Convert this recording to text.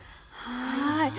はい。